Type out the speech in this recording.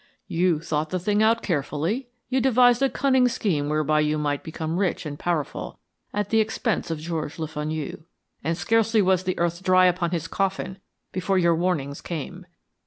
You thought the thing out carefully. You devised a cunning scheme whereby you might become rich and powerful at the expense of George Le Fenu, and scarcely was the earth dry upon his coffin before your warnings came.